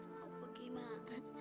mau pergi emak